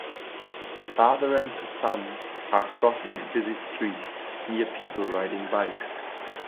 A father and a son are crossing a busy street, near people riding bikes.